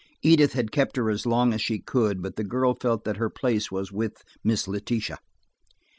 Edith had kept her as long as she could, but the girl felt that her place was with Miss Letitia.